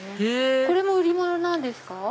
へぇこれも売り物なんですか？